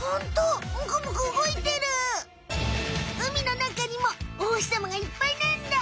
海のなかにもおほしさまがいっぱいなんだ。